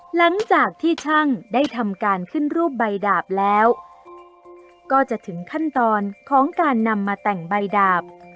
หลังจากที่ช่างได้ทำการขึ้นรูปใบดาบแล้วก็จะถึงขั้นตอนของการนำมาแต่งใบดาบ